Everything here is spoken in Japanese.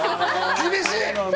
厳しい！